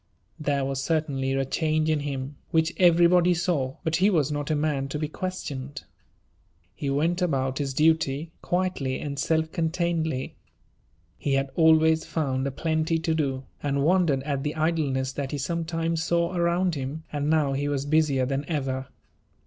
There was certainly a change in him, which everybody saw; but he was not a man to be questioned. He went about his duty, quietly and self containedly. He had always found a plenty to do, and wondered at the idleness that he sometimes saw around him; and now he was busier than ever.